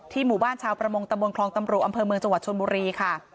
ที่หมู่บ้านชาวประมงตคลองตำรูอเจชนบุรีค่ะ